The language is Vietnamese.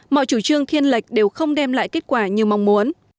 mọi chủ trương thiên lệch đều không đem lại kết quả như mong muốn